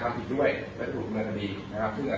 ส่วนต่อข้อมูลที่เป็นชั้นครับใช่